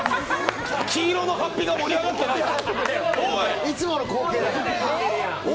黄色の法被が盛り上がってないよ。